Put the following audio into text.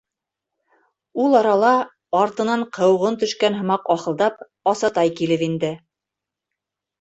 Ул арала, артынан ҡыуғын төшкән һымаҡ ахылдап, Асатай килеп инде.